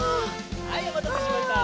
はいおまたせしました！